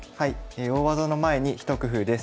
「大技の前にひと工夫」です。